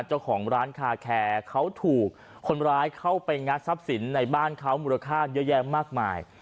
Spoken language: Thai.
เจ้าของร้านคาแคร์เขาถูกคนร้ายเข้าไปงัดทรัพย์สินในบ้านเขามูลค่าเยอะแยะมากมาย